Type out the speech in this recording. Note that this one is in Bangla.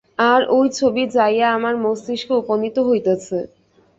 আর ঐ ছবি যাইয়া আমার মস্তিষ্কে উপনীত হইতেছে।